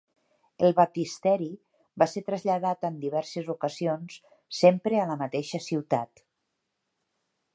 El baptisteri va ser traslladat en diverses ocasions, sempre a la mateixa ciutat.